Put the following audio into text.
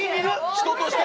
人として！